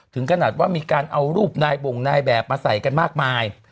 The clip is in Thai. ถึงขนาดว่ามีการเอารูปนายบ่งนายแบบมาใส่กันมากมาย